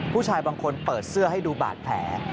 ผู้ชายบางคนเปิดเสื้อให้ดูบาดแผล